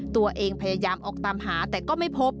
ตัวเองพยายามออกตามหาแต่ก็ไม่พบ